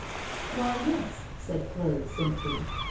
'Why, yes,' said Claude, simply.